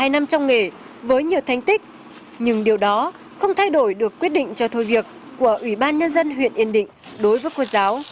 một mươi năm trong nghề với nhiều thành tích nhưng điều đó không thay đổi được quyết định cho thôi việc của ủy ban nhân dân huyện yên định đối với cô giáo